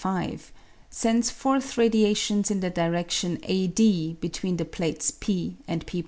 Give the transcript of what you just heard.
5) sends forth radiations in the diredion a d between the plates v and p'.